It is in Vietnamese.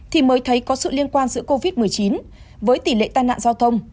thì mới thấy có sự liên quan giữa covid một mươi chín với tỷ lệ tai nạn giao thông